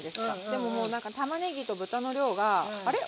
でももうなんかたまねぎと豚の量が「あれ？